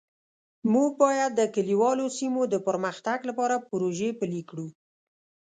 موږ باید د کلیوالو سیمو د پرمختګ لپاره پروژې پلي کړو